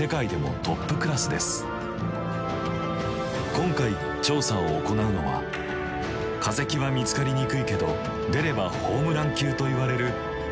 今回調査を行うのは化石は見つかりにくいけど出ればホームラン級といわれるアーリベクダグ。